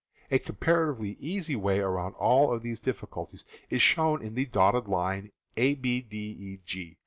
A comparatively easy way around all of these diffi culties is shown by the dotted line ABDEG.